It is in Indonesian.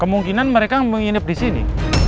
kemungkinan mereka menginap disini